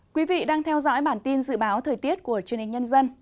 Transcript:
quý vị đang theo dõi bản tin dự báo thời tiết của truyền hình nhân dân